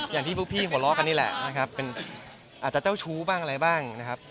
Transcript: อย่างที่พวกพี่หัวเราะกันนี่แหละนะครับเป็นอาจจะเจ้าชู้บ้างอะไรบ้างนะครับ